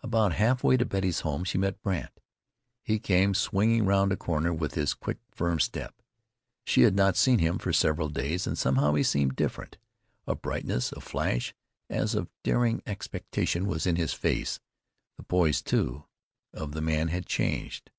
About half way to Betty's home she met Brandt. He came swinging round a corner with his quick, firm step. She had not seen him for several days, and somehow he seemed different. A brightness, a flash, as of daring expectation, was in his face. The poise, too, of the man had changed.